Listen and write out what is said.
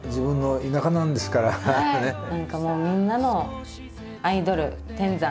何かもうみんなのアイドル天山。